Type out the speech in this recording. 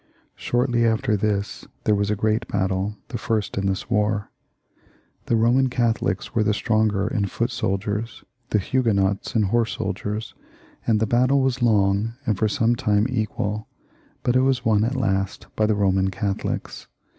Shortly after this there was a great battle, the first in this war. The Roman Catholics were the stronger in foot soldiers, the Huguenots in horse soldiers, and the battle was long and for some time equal ; but it was won at last by the Eoman Catholics.